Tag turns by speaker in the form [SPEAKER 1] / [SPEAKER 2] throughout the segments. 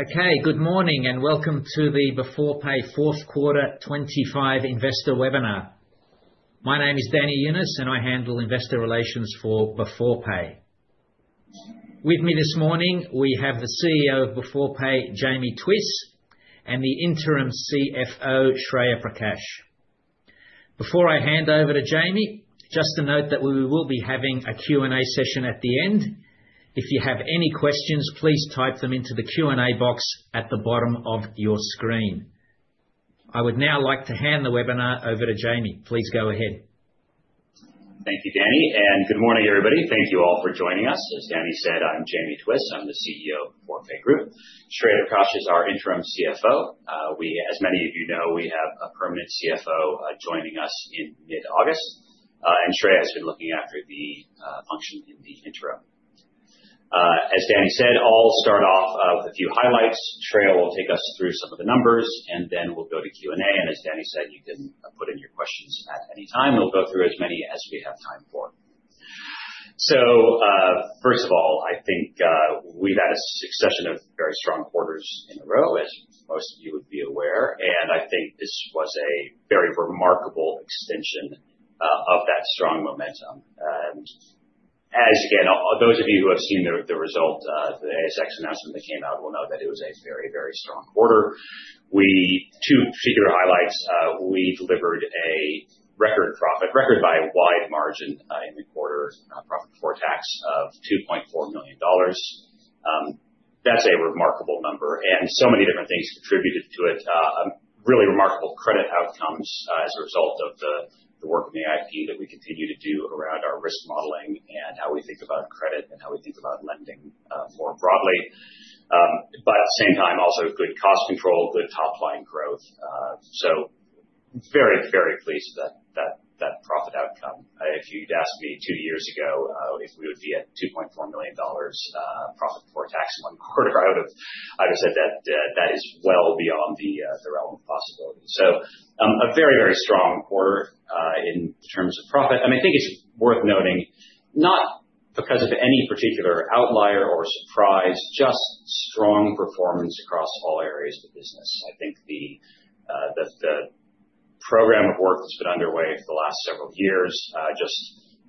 [SPEAKER 1] Okay, good morning and welcome to the Beforepay Fourth Quarter 2025 Investor Webinar. My name is Danny Younis, and I handle investor relations for Beforepay. With me this morning, we have the CEO of Beforepay, Jamie Twiss, and the interim CFO, Shreya Prakash. Before I hand over to Jamie, just to note that we will be having a Q&A session at the end. If you have any questions, please type them into the Q&A box at the bottom of your screen. I would now like to hand the webinar over to Jamie. Please go ahead.
[SPEAKER 2] Thank you, Danny, and good morning, everybody. Thank you all for joining us. As Danny said, I'm Jamie Twiss. I'm the CEO of Beforepay Group. Shreya Prakash is our interim CFO. As many of you know, we have a permanent CFO joining us in mid-August, and Shreya has been looking after the function in the interim. As Danny said, I'll start off with a few highlights. Shreya will take us through some of the numbers, and then we'll go to Q&A. And as Danny said, you can put in your questions at any time. We'll go through as many as we have time for. So first of all, I think we've had a succession of very strong quarters in a row, as most of you would be aware. And I think this was a very remarkable extension of that strong momentum. As, again, those of you who have seen the result, the ASX announcement that came out, will know that it was a very, very strong quarter. Two particular highlights: we delivered a record profit, record by a wide margin in the quarter, profit before tax of 2.4 million dollars. That's a remarkable number, and so many different things contributed to it. Really remarkable credit outcomes as a result of the work in the IP that we continue to do around our risk modeling and how we think about credit and how we think about lending more broadly. But at the same time, also good cost control, good top-line growth. So very, very pleased with that profit outcome. If you'd asked me two years ago if we would be at 2.4 million dollars profit before tax in one quarter, I would have said that that is well beyond the realm of possibility. So a very, very strong quarter in terms of profit. And I think it's worth noting, not because of any particular outlier or surprise, just strong performance across all areas of the business. I think the program of work that's been underway for the last several years, just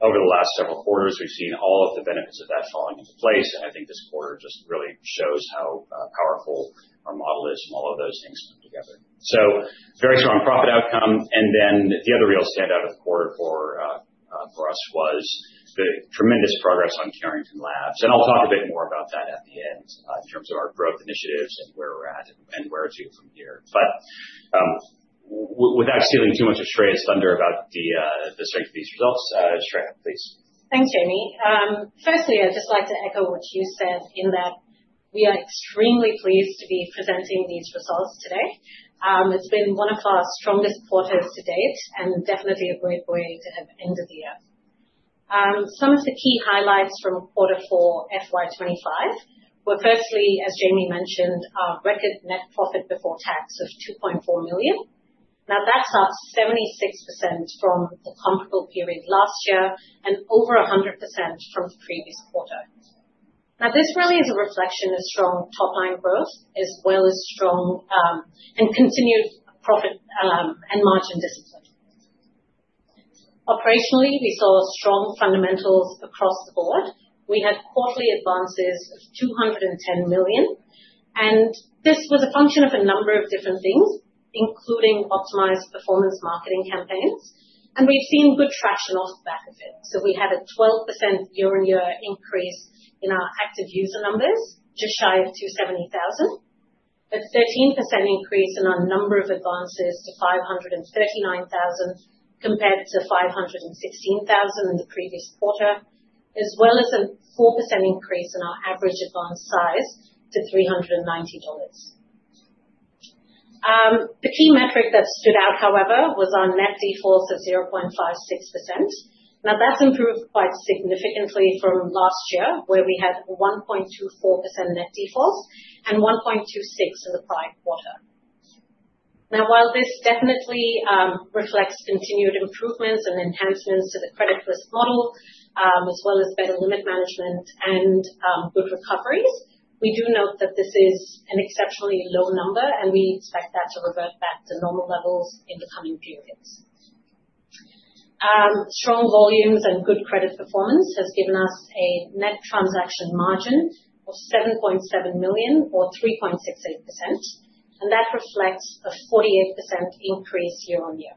[SPEAKER 2] over the last several quarters, we've seen all of the benefits of that falling into place. And I think this quarter just really shows how powerful our model is and all of those things put together. So very strong profit outcome. And then the other real standout of the quarter for us was the tremendous progress on Carrington Labs. And I'll talk a bit more about that at the end in terms of our growth initiatives and where we're at and where to from here. But without stealing too much of Shreya's thunder about the strength of these results, Shreya, please.
[SPEAKER 3] Thanks, Jamie. Firstly, I'd just like to echo what you said in that we are extremely pleased to be presenting these results today. It's been one of our strongest quarters to date and definitely a great way to have ended the year. Some of the key highlights from quarter four FY25 were, firstly, as Jamie mentioned, our record net profit before tax of 2.4 million. Now, that's up 76% from the comparable period last year and over 100% from the previous quarter. Now, this really is a reflection of strong top-line growth as well as strong and continued profit and margin discipline. Operationally, we saw strong fundamentals across the board. We had quarterly advances of 210 million, and this was a function of a number of different things, including optimized performance marketing campaigns. And we've seen good traction off the back of it. So we had a 12% year-on-year increase in our active user numbers, just shy of 270,000, a 13% increase in our number of advances to 539,000 compared to 516,000 in the previous quarter, as well as a 4% increase in our average advance size to 390 dollars. The key metric that stood out, however, was our net defaults of 0.56%. Now, that's improved quite significantly from last year, where we had 1.24% net defaults and 1.26% in the prior quarter. Now, while this definitely reflects continued improvements and enhancements to the credit risk model, as well as better limit management and good recoveries, we do note that this is an exceptionally low number, and we expect that to revert back to normal levels in the coming periods. Strong volumes and good credit performance have given us a net transaction margin of 7.7 million or 3.68%, and that reflects a 48% increase year-on-year.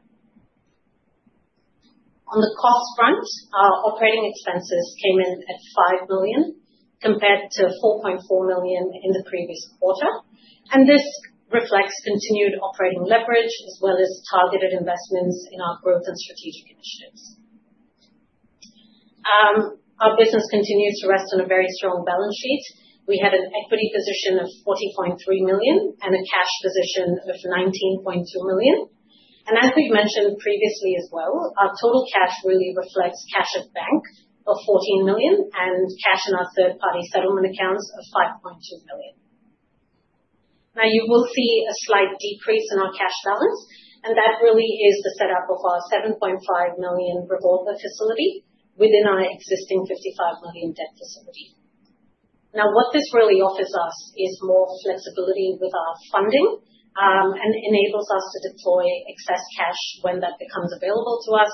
[SPEAKER 3] On the cost front, our operating expenses came in at 5 million compared to 4.4 million in the previous quarter, and this reflects continued operating leverage as well as targeted investments in our growth and strategic initiatives. Our business continues to rest on a very strong balance sheet. We had an equity position of 40.3 million and a cash position of 19.2 million, and as we've mentioned previously as well, our total cash really reflects cash at bank of 14 million and cash in our third-party settlement accounts of 5.2 million. Now, you will see a slight decrease in our cash balance, and that really is the setup of our 7.5 million revolver facility within our existing 55 million debt facility. Now, what this really offers us is more flexibility with our funding and enables us to deploy excess cash when that becomes available to us.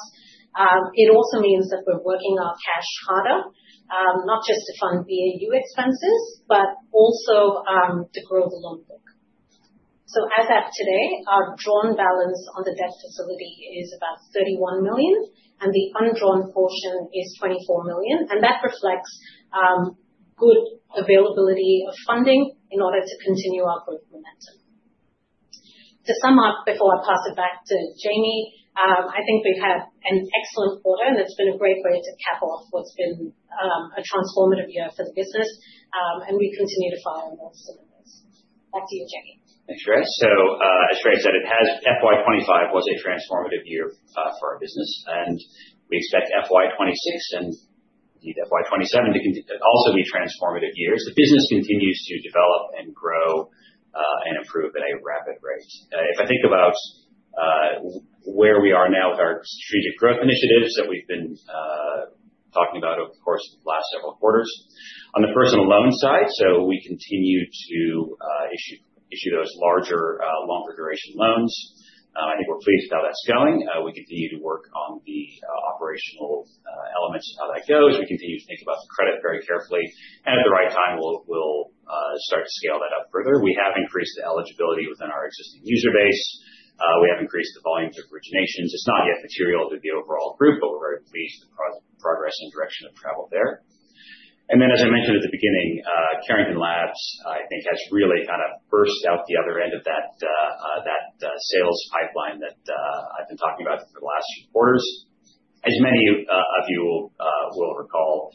[SPEAKER 3] It also means that we're working our cash harder, not just to fund BAU expenses, but also to grow the loan book. So as of today, our drawn balance on the debt facility is about 31 million, and the undrawn portion is 24 million. And that reflects good availability of funding in order to continue our growth momentum. To sum up before I pass it back to Jamie, I think we've had an excellent quarter, and it's been a great way to cap off what's been a transformative year for the business. And we continue to [fire and bolster] with this. Back to you, Jamie.
[SPEAKER 2] Thanks, Shreya. So as Shreya said, FY25 was a transformative year for our business, and we expect FY26 and FY27 to also be transformative years. The business continues to develop and grow and improve at a rapid rate. If I think about where we are now with our strategic growth initiatives that we've been talking about over the course of the last several quarters. On the personal loan side, so we continue to issue those larger, longer duration loans. I think we're pleased with how that's going. We continue to work on the operational elements of how that goes. We continue to think about the credit very carefully, and at the right time, we'll start to scale that up further. We have increased the eligibility within our existing user base. We have increased the volumes of originations. It's not yet material to the overall group, but we're very pleased with the progress and direction of travel there. And then, as I mentioned at the beginning, Carrington Labs, I think, has really kind of burst out the other end of that sales pipeline that I've been talking about for the last few quarters. As many of you will recall,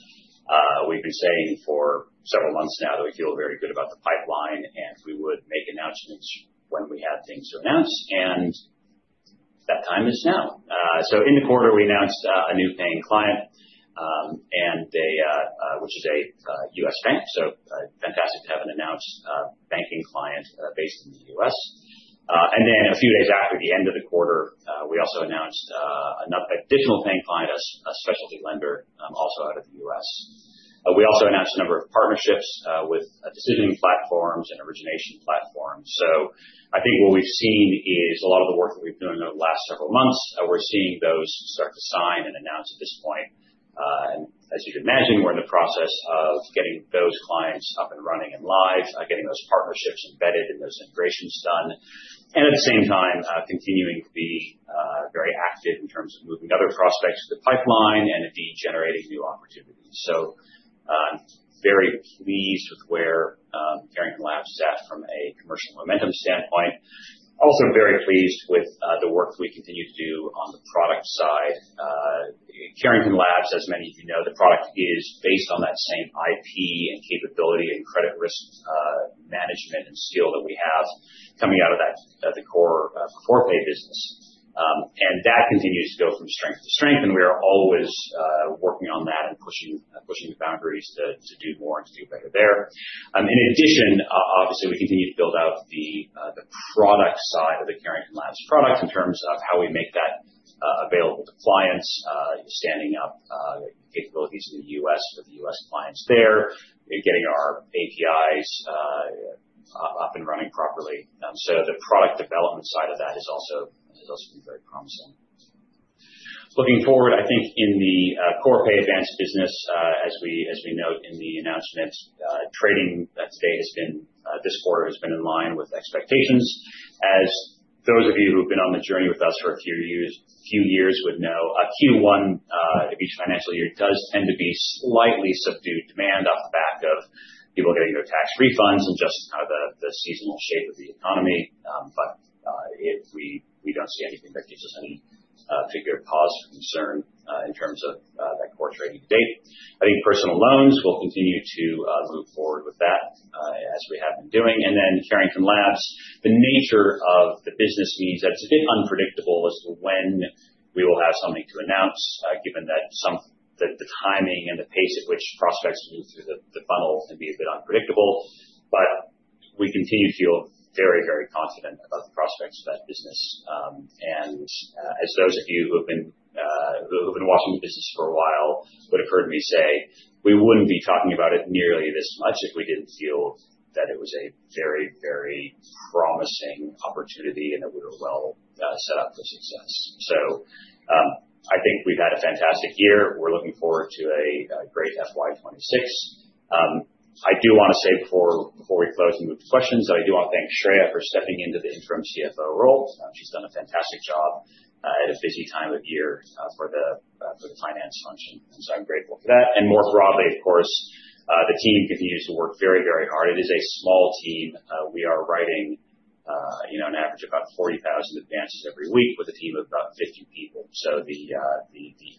[SPEAKER 2] we've been saying for several months now that we feel very good about the pipeline, and we would make announcements when we had things to announce. And that time is now. So in the quarter, we announced a new paying client, which is a U.S. bank. So fantastic to have an announced banking client based in the U.S. And then a few days after the end of the quarter, we also announced an additional paying client, a specialty lender, also out of the U.S. We also announced a number of partnerships with decision platforms and origination platforms. So I think what we've seen is a lot of the work that we've been doing over the last several months, we're seeing those start to sign and announce at this point. And as you can imagine, we're in the process of getting those clients up and running and live, getting those partnerships embedded and those integrations done. And at the same time, continuing to be very active in terms of moving other prospects to the pipeline and indeed generating new opportunities. So very pleased with where Carrington Labs is at from a commercial momentum standpoint. Also very pleased with the work that we continue to do on the product side. Carrington Labs, as many of you know, the product is based on that same IP and capability and credit risk management and skill that we have coming out of the core Beforepay business. That continues to go from strength to strength, and we are always working on that and pushing the boundaries to do more and to do better there. In addition, obviously, we continue to build out the product side of the Carrington Labs product in terms of how we make that available to clients, standing up capabilities in the U.S. for the U.S. clients there, getting our APIs up and running properly. So the product development side of that has also been very promising. Looking forward, I think in the Pay Advance business, as we note in the announcements, this quarter has been in line with expectations. As those of you who've been on the journey with us for a few years would know, Q1 of each financial year does tend to be slightly subdued demand off the back of people getting their tax refunds and just kind of the seasonal shape of the economy. But we don't see anything that gives us any particular cause for concern in terms of that core trading date. I think personal loans, we'll continue to move forward with that as we have been doing. And then Carrington Labs, the nature of the business means that it's a bit unpredictable as to when we will have something to announce, given that the timing and the pace at which prospects move through the funnel can be a bit unpredictable. But we continue to feel very, very confident about the prospects of that business. As those of you who have been watching the business for a while would have heard me say, we wouldn't be talking about it nearly this much if we didn't feel that it was a very, very promising opportunity and that we were well set up for success. I think we've had a fantastic year. We're looking forward to a great FY26. I do want to say before we close and move to questions that I do want to thank Shreya for stepping into the interim CFO role. She's done a fantastic job at a busy time of year for the finance function. So I'm grateful for that. More broadly, of course, the team continues to work very, very hard. It is a small team. We are writing on average about 40,000 advances every week with a team of about 50 people. So the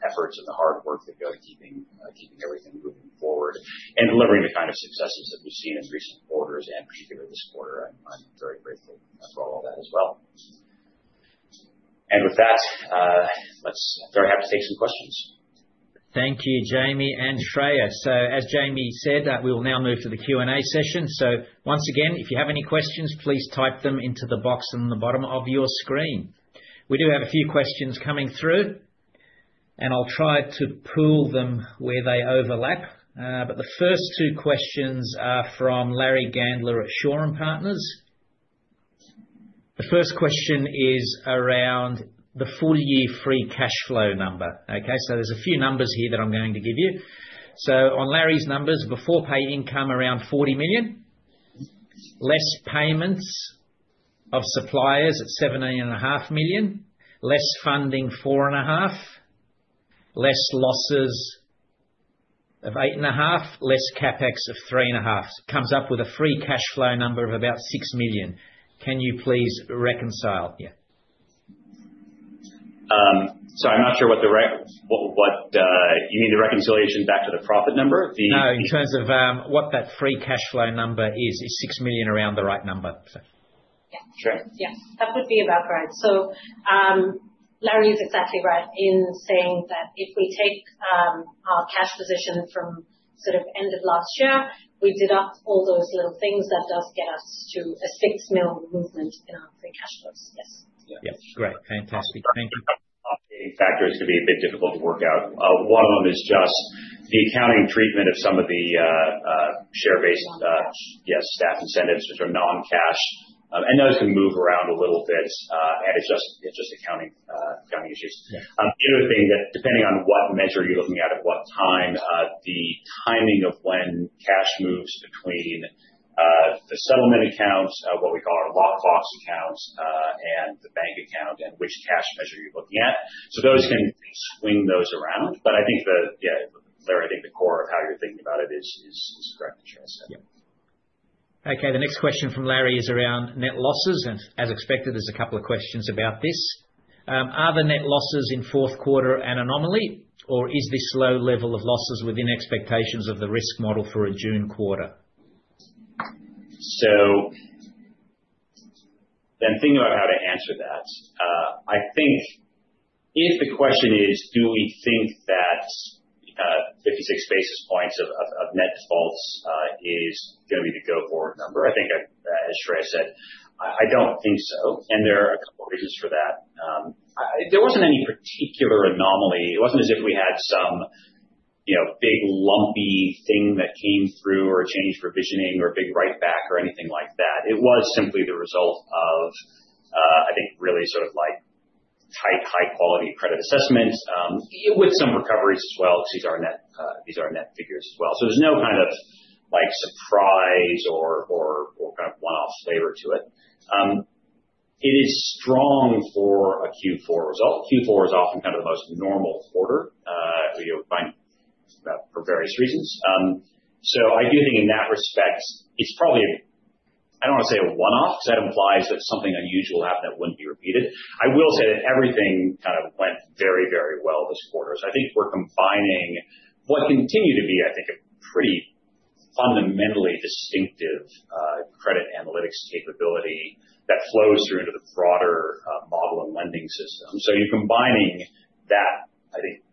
[SPEAKER 2] efforts and the hard work that go to keeping everything moving forward and delivering the kind of successes that we've seen in recent quarters and particularly this quarter. I'm very grateful for all of that as well, and with that, I'm very happy to take some questions.
[SPEAKER 1] Thank you, Jamie and Shreya. So as Jamie said, we will now move to the Q&A session. So once again, if you have any questions, please type them into the box on the bottom of your screen. We do have a few questions coming through, and I'll try to pool them where they overlap. But the first two questions are from Larry Gandler at Shaw and Partners. The first question is around the full-year free cash flow number. Okay? So there's a few numbers here that I'm going to give you. So on Larry's numbers, Beforepay income around 40 million, less payments of suppliers at 7.5 million, less funding 4.5 million, less losses of 8.5 million, less CapEx of 3.5 million. It comes up with a free cash flow number of about 6 million. Can you please reconcile? Yeah.
[SPEAKER 2] Sorry, I'm not sure what you mean the reconciliation back to the profit number?
[SPEAKER 1] No, in terms of what that free cash flow number is. Is 6 million around the right number?
[SPEAKER 3] Yeah.
[SPEAKER 2] Sure.
[SPEAKER 3] Yeah. That would be about right. So Larry is exactly right in saying that if we take our cash position from sort of end of last year, we deduct all those little things, that does get us to a 6 million movement in our free cash flows. Yes.
[SPEAKER 1] Yeah. Great. Fantastic. Thank you.
[SPEAKER 2] Factors can be a bit difficult to work out. One of them is just the accounting treatment of some of the share-based staff incentives, which are non-cash, and those can move around a little bit, and it's just accounting issues. The other thing that, depending on what measure you're looking at at what time, the timing of when cash moves between the settlement accounts, what we call our lockbox accounts, and the bank account, and which cash measure you're looking at, so those can swing those around, but I think the, yeah, Larry, I think the core of how you're thinking about it is correct, as Shreya said.
[SPEAKER 1] Yeah. Okay. The next question from Larry is around net losses. And as expected, there's a couple of questions about this. Are the net losses in fourth quarter an anomaly, or is this low level of losses within expectations of the risk model for a June quarter?
[SPEAKER 2] So then thinking about how to answer that, I think if the question is, do we think that 56 basis points of net defaults is going to be the go-forward number? I think, as Shreya said, I don't think so. And there are a couple of reasons for that. There wasn't any particular anomaly. It wasn't as if we had some big, lumpy thing that came through or changed provisioning or a big write-back or anything like that. It was simply the result of, I think, really sort of tight, high-quality credit assessment with some recoveries as well because these are net figures as well. So there's no kind of surprise or kind of one-off flavor to it. It is strong for a Q4 result. Q4 is often kind of the most normal quarter. We find that for various reasons. So I do think in that respect, it's probably. I don't want to say a one-off because that implies that something unusual happened that wouldn't be repeated. I will say that everything kind of went very, very well this quarter. So I think we're combining what continue to be, I think, a pretty fundamentally distinctive credit analytics capability that flows through into the broader model and lending system. So you're combining that, I think,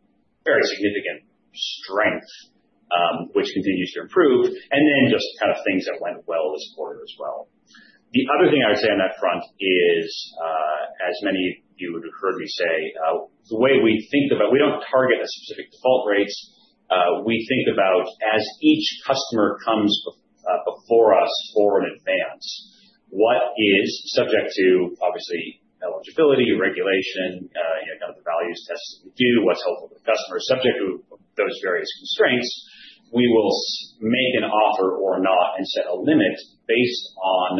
[SPEAKER 2] very significant strength, which continues to improve, and then just kind of things that went well this quarter as well. The other thing I would say on that front is, as many of you would have heard me say, the way we think about, we don't target a specific default rate. We think about, as each customer comes before us for an advance, what is subject to, obviously, eligibility, regulation, kind of the values tests that we do, what's helpful to the customer. Subject to those various constraints, we will make an offer or not and set a limit based on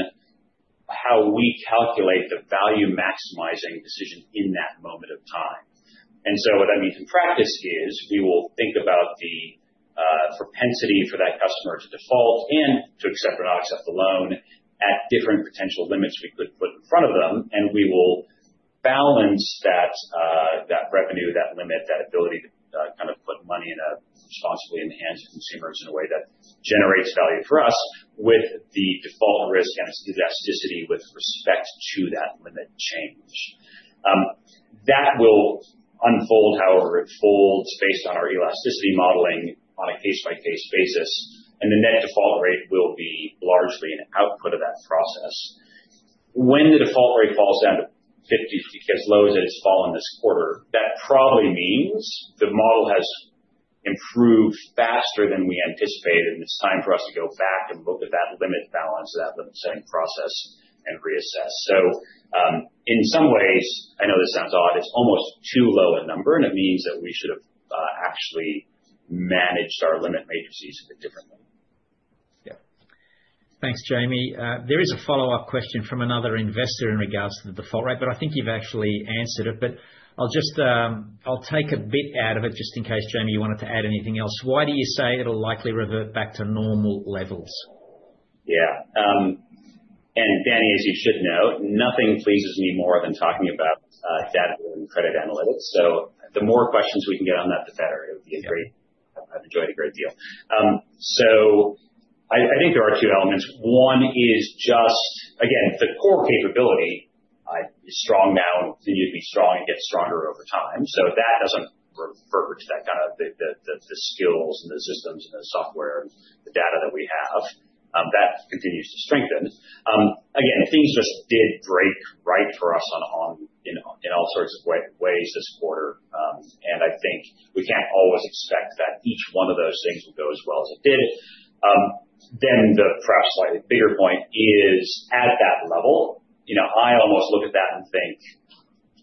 [SPEAKER 2] how we calculate the value maximizing decision in that moment of time, and so what that means in practice is we will think about the propensity for that customer to default and to accept or not accept the loan at different potential limits we could put in front of them, and we will balance that revenue, that limit, that ability to kind of put money responsibly in the hands of consumers in a way that generates value for us with the default risk and its elasticity with respect to that limit change. That will unfold, however, in folds based on our elasticity modeling on a case-by-case basis. And the net default rate will be largely an output of that process. When the default rate falls down to 50, it gets low as it has fallen this quarter, that probably means the model has improved faster than we anticipated, and it's time for us to go back and look at that limit balance, that limit-setting process, and reassess. So in some ways, I know this sounds odd, it's almost too low a number, and it means that we should have actually managed our limit matrices a bit differently.
[SPEAKER 1] Yeah. Thanks, Jamie. There is a follow-up question from another investor in regards to the default rate, but I think you've actually answered it. But I'll take a bit out of it just in case Jamie wanted to add anything else. Why do you say it'll likely revert back to normal levels?
[SPEAKER 2] Yeah, and Danny, as you should know, nothing pleases me more than talking about data and credit analytics, so the more questions we can get on that, the better. I've enjoyed a great deal, so I think there are two elements. One is just, again, the core capability is strong now and continues to be strong and gets stronger over time, so that doesn't refer to that kind of the skills and the systems and the software and the data that we have. That continues to strengthen. Again, things just did break right for us in all sorts of ways this quarter, and I think we can't always expect that each one of those things will go as well as it did. Then the perhaps slightly bigger point is at that level. I almost look at that and think,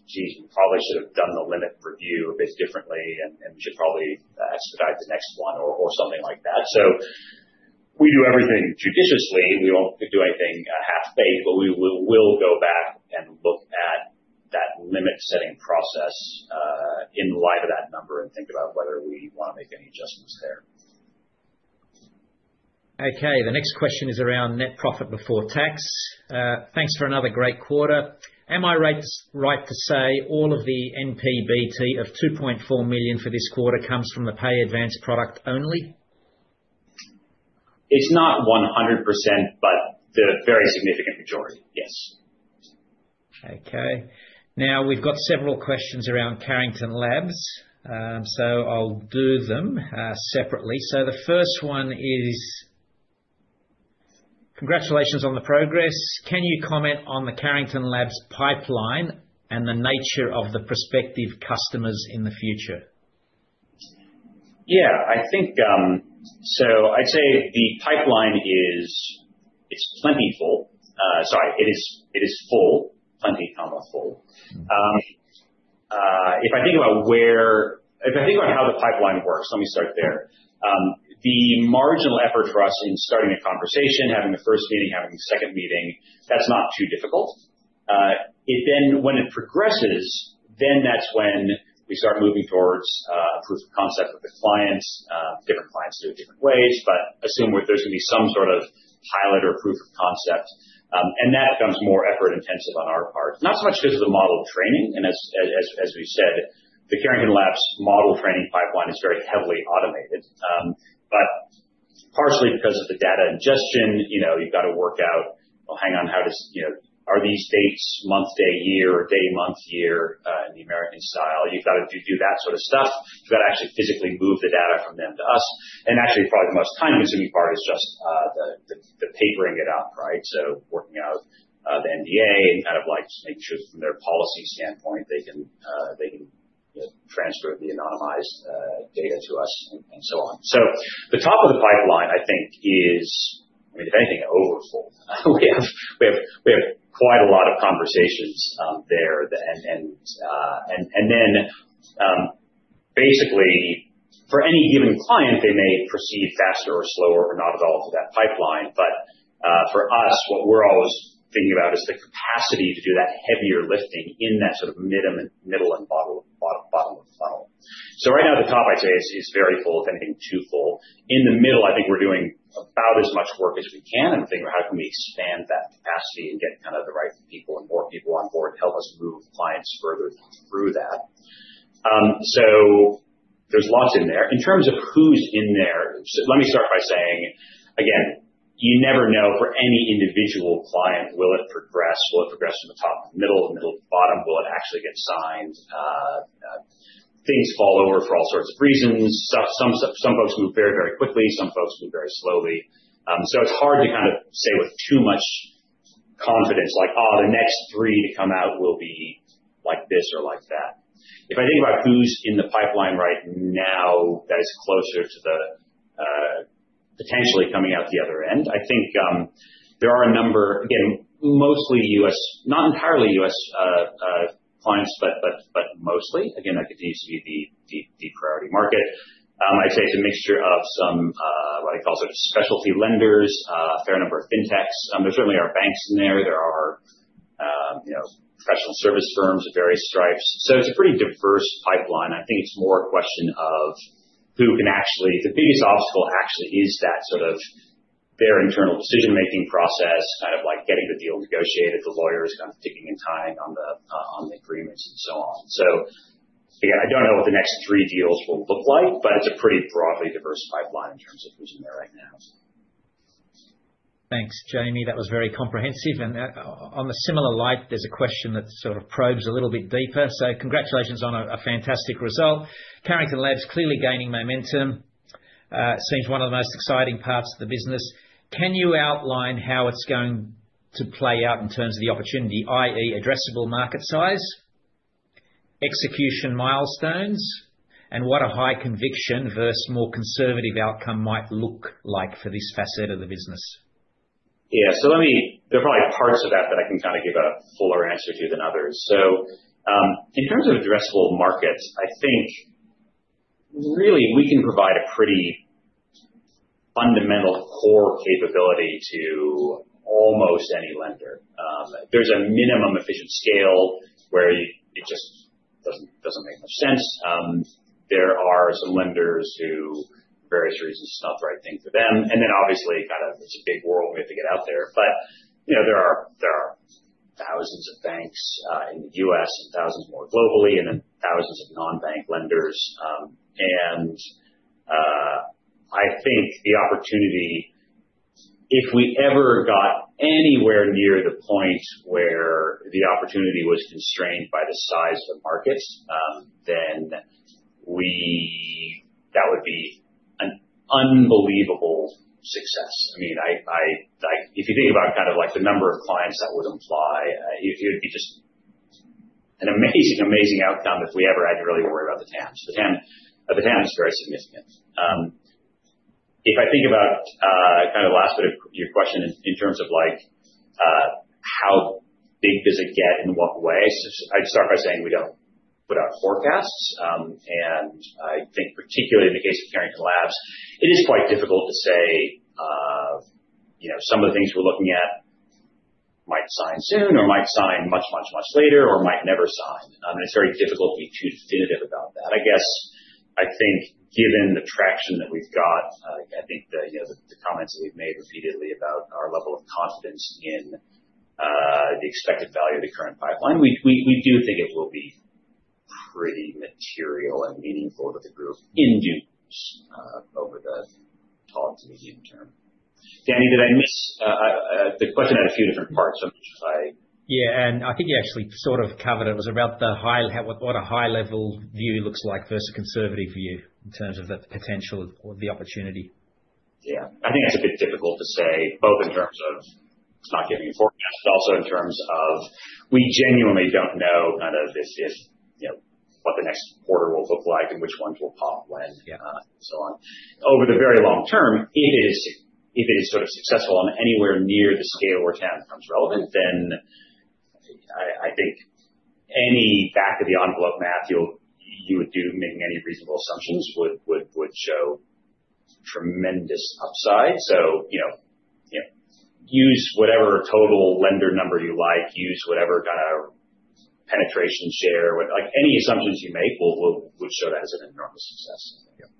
[SPEAKER 2] "Geez, we probably should have done the limit review a bit differently, and we should probably expedite the next one or something like that." So we do everything judiciously. We won't do anything half-baked, but we will go back and look at that limit-setting process in light of that number and think about whether we want to make any adjustments there.
[SPEAKER 1] Okay. The next question is around net profit before tax. Thanks for another great quarter. Am I right to say all of the NPBT of 2.4 million for this quarter comes from the Pay Advance product only?
[SPEAKER 2] It's not 100%, but the very significant majority, yes.
[SPEAKER 1] Okay. Now, we've got several questions around Carrington Labs. So I'll do them separately. So the first one is, "Congratulations on the progress. Can you comment on the Carrington Labs pipeline and the nature of the prospective customers in the future?
[SPEAKER 2] Yeah. So I'd say the pipeline is plentiful. Sorry, it is full, plenty, full. If I think about how the pipeline works, let me start there. The marginal effort for us in starting a conversation, having the first meeting, having the second meeting, that's not too difficult. When it progresses, then that's when we start moving towards a proof of concept with the clients. Different clients do it different ways, but assume that there's going to be some sort of pilot or proof of concept. That becomes more effort-intensive on our part, not so much because of the model training, and as we said, the Carrington Labs model training pipeline is very heavily automated. But partially because of the data ingestion, you've got to work out, "Well, hang on, how are these dates, month, day, year, day, month, year in the American style?" You've got to do that sort of stuff. You've got to actually physically move the data from them to us. And actually, probably the most time-consuming part is just the papering it up, right? So working out the NDA and kind of making sure that from their policy standpoint, they can transfer the anonymized data to us and so on. So the top of the pipeline, I think, is, I mean, if anything, overfull. We have quite a lot of conversations there. And then basically, for any given client, they may proceed faster or slower or not at all to that pipeline. But for us, what we're always thinking about is the capacity to do that heavier lifting in that sort of middle and bottom of the funnel. So right now, the top, I'd say, is very full, if anything, too full. In the middle, I think we're doing about as much work as we can and thinking about how can we expand that capacity and get kind of the right people and more people on board to help us move clients further through that. So there's lots in there. In terms of who's in there, let me start by saying, again, you never know for any individual client, will it progress? Will it progress from the top to the middle, middle to the bottom? Will it actually get signed? Things fall over for all sorts of reasons. Some folks move very, very quickly. Some folks move very slowly. So it's hard to kind of say with too much confidence, like, "Oh, the next three to come out will be like this or like that." If I think about who's in the pipeline right now that is closer to the potentially coming out the other end, I think there are a number, again, mostly U.S., not entirely U.S. clients, but mostly. Again, that continues to be the priority market. I'd say it's a mixture of some what I call sort of specialty lenders, a fair number of fintechs. There certainly are banks in there. There are professional service firms of various stripes. So it's a pretty diverse pipeline. I think it's more a question of the biggest obstacle actually is that sort of their internal decision-making process, kind of like getting the deal negotiated, the lawyers kind of ticking and tying on the agreements and so on. So again, I don't know what the next three deals will look like, but it's a pretty broadly diverse pipeline in terms of who's in there right now.
[SPEAKER 1] Thanks, Jamie. That was very comprehensive. And in a similar light, there's a question that sort of probes a little bit deeper. So congratulations on a fantastic result. Carrington Labs clearly gaining momentum. Seems one of the most exciting parts of the business. Can you outline how it's going to play out in terms of the opportunity, i.e., addressable market size, execution milestones, and what a high conviction versus more conservative outcome might look like for this facet of the business?
[SPEAKER 2] Yeah, so there are probably parts of that that I can kind of give a fuller answer to than others. So, in terms of addressable markets, I think really we can provide a pretty fundamental core capability to almost any lender. There's a minimum efficient scale where it just doesn't make much sense. There are some lenders who, for various reasons, it's not the right thing for them. And then obviously, kind of, it's a big world. We have to get out there. But there are thousands of banks in the U.S. and thousands more globally and then thousands of non-bank lenders. And I think the opportunity, if we ever got anywhere near the point where the opportunity was constrained by the size of the markets, then that would be an unbelievable success. I mean, if you think about kind of the number of clients that would imply, it would be just an amazing, amazing outcome if we ever had to really worry about the TAM. So the TAM is very significant. If I think about kind of the last bit of your question in terms of how big does it get and in what way, I'd start by saying we don't put out forecasts, and I think particularly in the case of Carrington Labs, it is quite difficult to say some of the things we're looking at might sign soon or might sign much, much, much later or might never sign, and it's very difficult to be too definitive about that. I guess I think given the traction that we've got, I think the comments that we've made repeatedly about our level of confidence in the expected value of the current pipeline, we do think it will be pretty material and meaningful to the group in due course over the short to the near term. Danny, did I miss the question? It had a few different parts.
[SPEAKER 1] Yeah. And I think you actually sort of covered it. It was about what a high-level view looks like versus a conservative view in terms of the potential or the opportunity.
[SPEAKER 2] Yeah. I think it's a bit difficult to say both in terms of not giving a forecast, but also in terms of we genuinely don't know kind of what the next quarter will look like and which ones will pop when and so on. Over the very long term, if it is sort of successful on anywhere near the scale where TAM becomes relevant, then I think any back-of-the-envelope math you would do, making any reasonable assumptions, would show tremendous upside. So use whatever total lender number you like, use whatever kind of penetration share. Any assumptions you make would show that as an enormous success.
[SPEAKER 1] Yeah.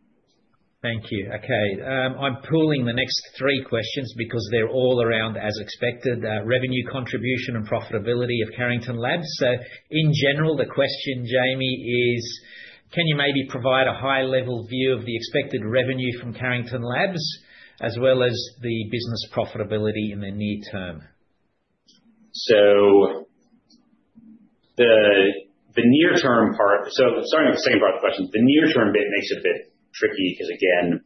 [SPEAKER 1] Thank you. Okay. I'm pulling the next three questions because they're all around, as expected, revenue contribution and profitability of Carrington Labs. So in general, the question, Jamie, is, can you maybe provide a high-level view of the expected revenue from Carrington Labs as well as the business profitability in the near term?
[SPEAKER 2] So, the near-term part, so starting with the second part of the question, the near-term bit makes it a bit tricky because, again,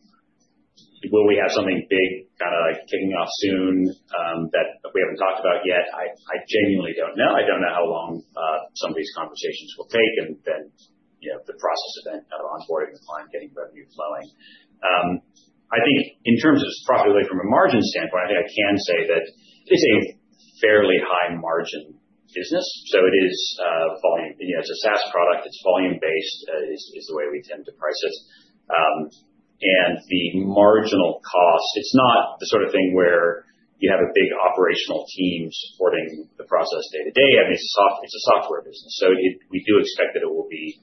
[SPEAKER 2] will we have something big kind of kicking off soon that we haven't talked about yet? I genuinely don't know. I don't know how long some of these conversations will take and then the process of onboarding the client, getting revenue flowing. I think in terms of profitability from a margin standpoint, I think I can say that it's a fairly high-margin business. So it is volume. It's a SaaS product. It's volume-based is the way we tend to price it. And the marginal cost, it's not the sort of thing where you have a big operational team supporting the process day to day. I mean, it's a software business. So we do expect that it will be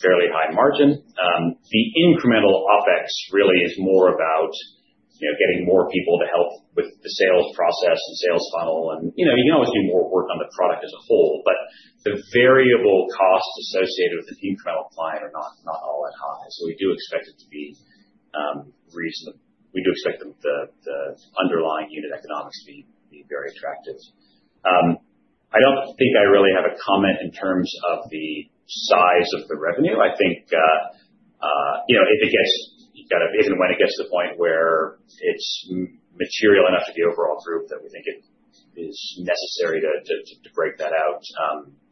[SPEAKER 2] fairly high margin. The incremental Opex really is more about getting more people to help with the sales process and sales funnel, and you can always do more work on the product as a whole, but the variable costs associated with an incremental client are not all that high, so we do expect it to be reasonable. We do expect the underlying unit economics to be very attractive. I don't think I really have a comment in terms of the size of the revenue. I think if it gets and when it gets to the point where it's material enough to the overall group that we think it is necessary to break that out,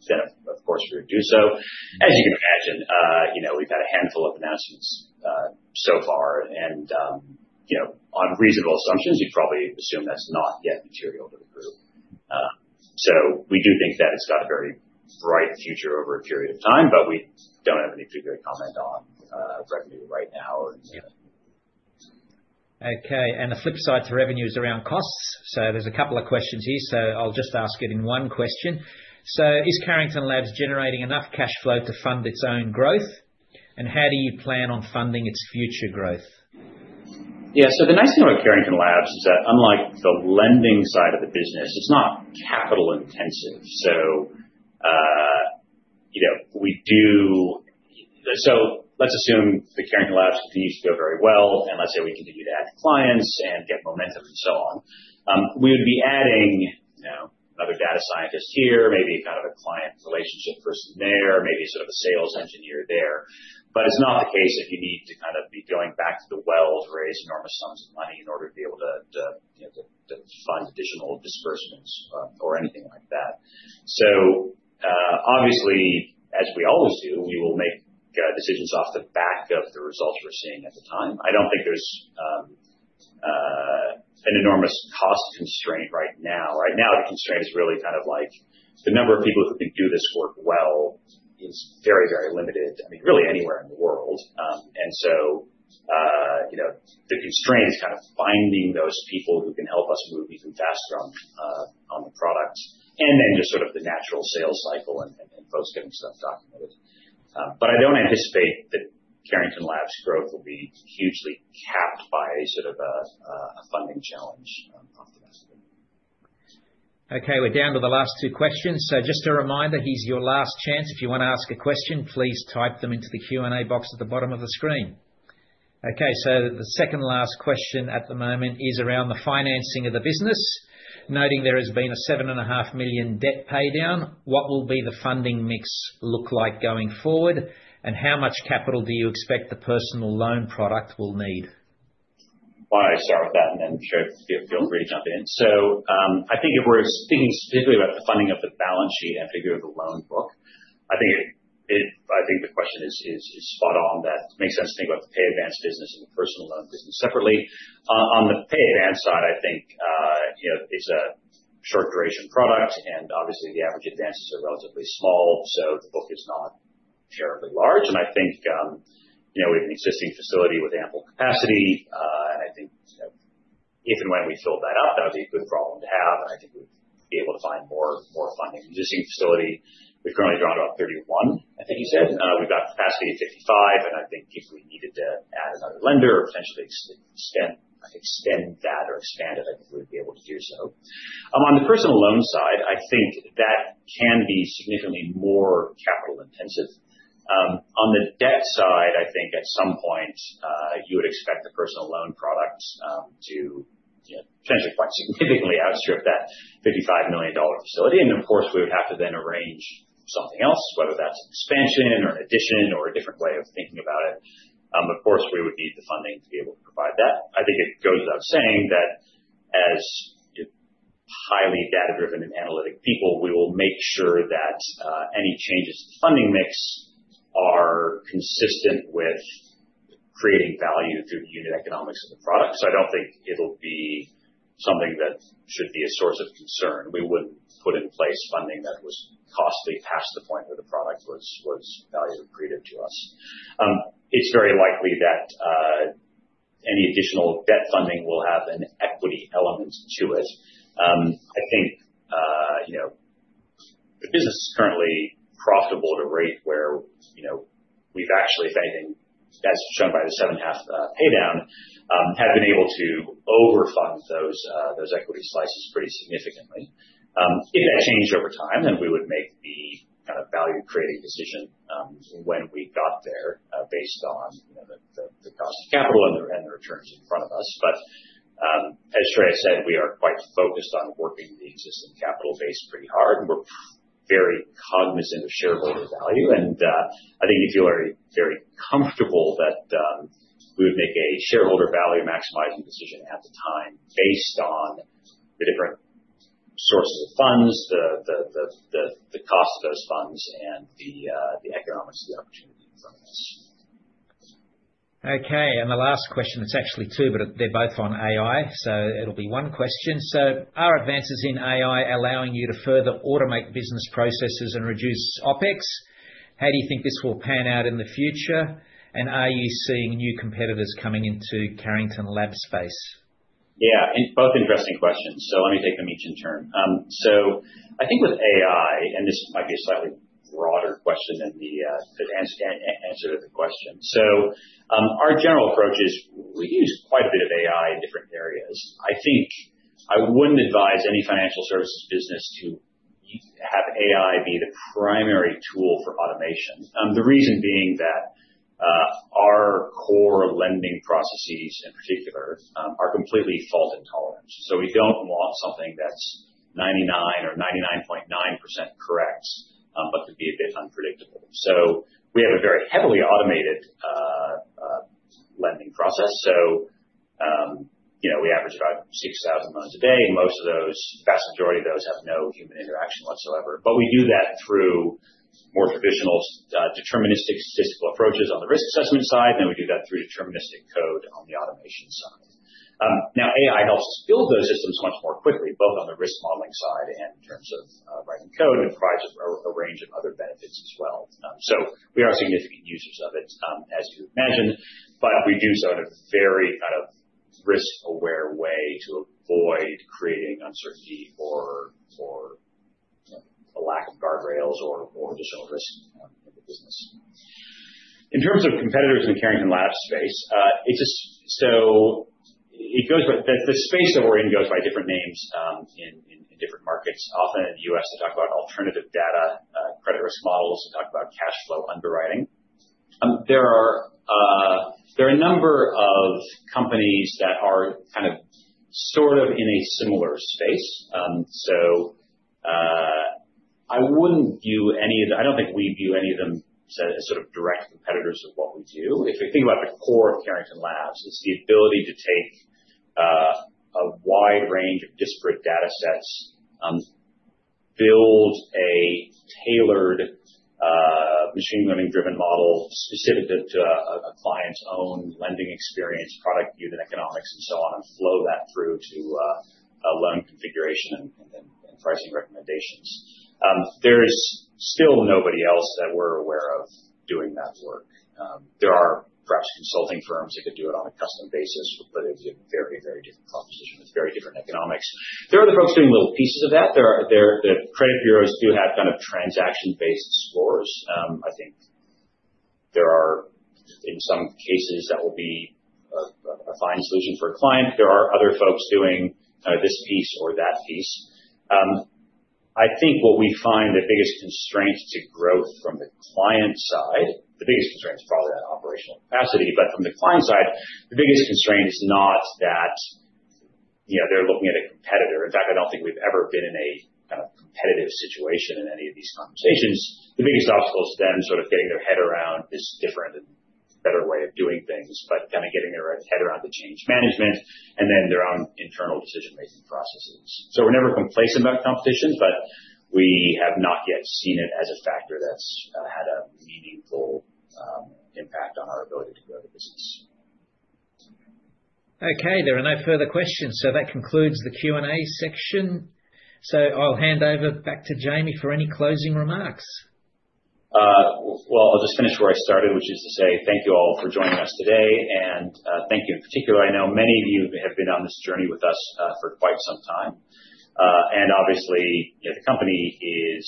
[SPEAKER 2] then of course we would do so. As you can imagine, we've had a handful of announcements so far, and on reasonable assumptions, you'd probably assume that's not yet material to the group. So we do think that it's got a very bright future over a period of time, but we don't have any particular comment on revenue right now.
[SPEAKER 1] Okay. And a flip side to revenues around costs. So there's a couple of questions here. So I'll just ask it in one question. So is Carrington Labs generating enough cash flow to fund its own growth? And how do you plan on funding its future growth?
[SPEAKER 2] Yeah. So the nice thing about Carrington Labs is that unlike the lending side of the business, it's not capital-intensive. So, we do. So let's assume the Carrington Labs continues to go very well, and let's say we continue to add clients and get momentum and so on. We would be adding another data scientist here, maybe kind of a client relationship person there, maybe sort of a sales engineer there. But it's not the case that you need to kind of be going back to the well to raise enormous sums of money in order to be able to fund additional disbursements or anything like that. So obviously, as we always do, we will make decisions off the back of the results we're seeing at the time. I don't think there's an enormous cost constraint right now. Right now, the constraint is really kind of the number of people who can do this work well is very, very limited, I mean, really anywhere in the world, and so the constraint is kind of finding those people who can help us move even faster on the product and then just sort of the natural sales cycle and folks getting stuff documented, but I don't anticipate that Carrington Labs' growth will be hugely capped by sort of a funding challenge off the back of it.
[SPEAKER 1] Okay. We're down to the last two questions. So just a reminder, here's your last chance. If you want to ask a question, please type them into the Q&A box at the bottom of the screen. Okay. So the second last question at the moment is around the financing of the business. Noting there has been a 7.5 million debt paydown, what will be the funding mix look like going forward? And how much capital do you expect the personal loan product will need?
[SPEAKER 2] I'll start with that, and then feel free to jump in. So I think if we're speaking specifically about the funding of the balance sheet and funding of the loan book, I think the question is spot on that it makes sense to think about the pay-advance business and the personal loan business separately. On the pay-advance side, I think it's a short-duration product, and obviously, the average advances are relatively small, so the book is not terribly large. And I think we have an existing facility with ample capacity. And I think if and when we filled that up, that would be a good problem to have. And I think we'd be able to find more funding in the existing facility. We've currently drawn about 31, I think you said. We've got capacity at 55, and I think if we needed to add another lender or potentially extend that or expand it, I think we would be able to do so. On the personal loan side, I think that can be significantly more capital-intensive. On the debt side, I think at some point you would expect the personal loan product to potentially quite significantly outstrip that 55 million dollar facility. And of course, we would have to then arrange something else, whether that's an expansion or an addition or a different way of thinking about it. Of course, we would need the funding to be able to provide that. I think it goes without saying that as highly data-driven and analytic people, we will make sure that any changes to the funding mix are consistent with creating value through the unit economics of the product. I don't think it'll be something that should be a source of concern. We wouldn't put in place funding that was costly past the point where the product was value created to us. It's very likely that any additional debt funding will have an equity element to it. I think the business is currently profitable at a rate where we've actually, if anything, as shown by the seven and a half paydown, have been able to overfund those equity slices pretty significantly. If that changed over time, then we would make the kind of value-creating decision when we got there based on the cost of capital and the returns in front of us. But as Shreya said, we are quite focused on working the existing capital base pretty hard, and we're very cognizant of shareholder value. I think you feel very comfortable that we would make a shareholder value maximizing decision at the time based on the different sources of funds, the cost of those funds, and the economics of the opportunity in front of us.
[SPEAKER 1] Okay. And the last question, it's actually two, but they're both on AI. So it'll be one question. So are advances in AI allowing you to further automate business processes and reduce Opex? How do you think this will pan out in the future? And are you seeing new competitors coming into Carrington Labs space?
[SPEAKER 2] Yeah. Both interesting questions. So let me take them each in turn. So I think with AI, and this might be a slightly broader question than the answer to the question. So our general approach is we use quite a bit of AI in different areas. I think I wouldn't advise any financial services business to have AI be the primary tool for automation. The reason being that our core lending processes in particular are completely fault intolerant. So we don't want something that's 99% or 99.9% correct, but to be a bit unpredictable. So we have a very heavily automated lending process. So we average about 6,000 loans a day, and most of those, vast majority of those, have no human interaction whatsoever. But we do that through more traditional deterministic statistical approaches on the risk assessment side, and then we do that through deterministic code on the automation side. Now, AI helps us build those systems much more quickly, both on the risk modeling side and in terms of writing code, and it provides a range of other benefits as well. So we are significant users of it, as you imagine, but we do so in a very kind of risk-aware way to avoid creating uncertainty or a lack of guardrails or additional risk in the business. In terms of competitors in the Carrington Labs space, so the space that we're in goes by different names in different markets. Often in the U.S., they talk about alternative data credit risk models. They talk about cash flow underwriting. There are a number of companies that are kind of sort of in a similar space. So I wouldn't view any of the, I don't think we view any of them as sort of direct competitors of what we do. If you think about the core of Carrington Labs, it's the ability to take a wide range of disparate data sets, build a tailored machine learning-driven model specific to a client's own lending experience, product unit economics, and so on, and flow that through to a loan configuration and then pricing recommendations. There is still nobody else that we're aware of doing that work. There are perhaps consulting firms that could do it on a custom basis, but it's a very, very different proposition with very different economics. There are other folks doing little pieces of that. The credit bureaus do have kind of transaction-based scores. I think there are, in some cases, that will be a fine solution for a client. There are other folks doing kind of this piece or that piece. I think what we find the biggest constraint to growth from the client side, the biggest constraint is probably that operational capacity, but from the client side, the biggest constraint is not that they're looking at a competitor. In fact, I don't think we've ever been in a kind of competitive situation in any of these conversations. The biggest obstacle is then sort of getting their head around this different and better way of doing things, but kind of getting their head around the change management and then their own internal decision-making processes. So we're never complacent about competition, but we have not yet seen it as a factor that's had a meaningful impact on our ability to grow the business.
[SPEAKER 1] Okay. There are no further questions. So that concludes the Q&A section. So I'll hand over back to Jamie for any closing remarks.
[SPEAKER 2] I'll just finish where I started, which is to say thank you all for joining us today. Thank you in particular. I know many of you have been on this journey with us for quite some time. Obviously, the company is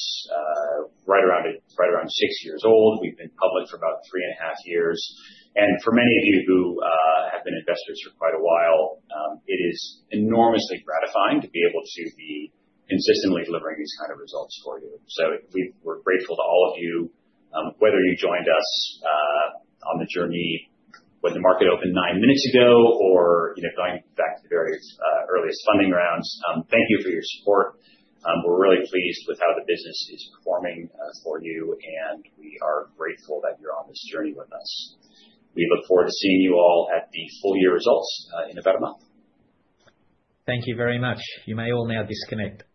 [SPEAKER 2] right around six years old. We've been public for about three and a half years. For many of you who have been investors for quite a while, it is enormously gratifying to be able to be consistently delivering these kind of results for you. We're grateful to all of you, whether you joined us on the journey when the market opened nine minutes ago or going back to the very earliest funding rounds. Thank you for your support. We're really pleased with how the business is performing for you, and we are grateful that you're on this journey with us. We look forward to seeing you all at the full year results in about a month.
[SPEAKER 1] Thank you very much. You may all now disconnect. Thanks.